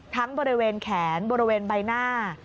บริเวณแขนบริเวณใบหน้า